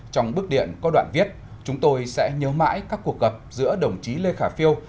trong bức điện có đoạn viết chúng tôi sẽ nhớ mãi các cuộc gặp giữa đồng chí lê khả phiêu